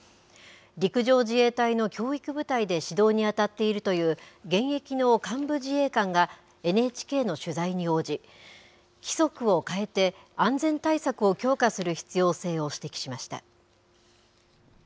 陸上自衛隊の教育部隊で指導に当たっているという現役の幹部自衛官が、ＮＨＫの取材に応じ、規則を変えて、安全対策を強化する必要性を指摘しました。